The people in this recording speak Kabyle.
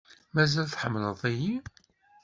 Mazal tḥemmleḍ-iyi?